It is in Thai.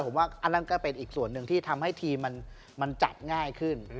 ผมว่าอันนั้นก็เป็นอีกส่วนหนึ่งที่ทำให้ทีมมันจัดง่ายขึ้น